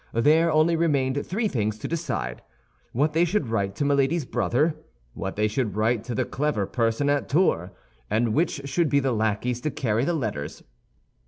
There only remained three things to decide—what they should write to Milady's brother; what they should write to the clever person at Tours; and which should be the lackeys to carry the letters.